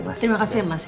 mas terima kasih ya mas